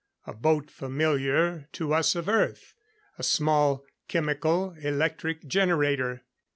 A boat familiar to us of Earth. A small chemical electric generator.